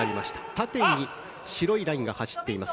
縦に白いラインが走っています。